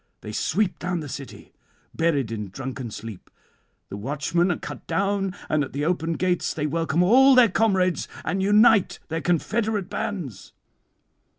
They sweep down the city buried in drunken sleep; the watchmen are cut down, and at the open gates they welcome all their comrades, and unite their confederate bands.